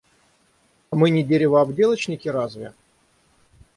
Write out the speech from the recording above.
А мы не деревообделочники разве?